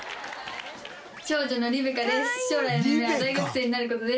長女のりべかです。